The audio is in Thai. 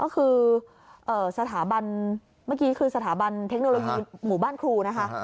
ก็คือสถาบันเทคโนโลยีหมู่บ้านครูนะคะ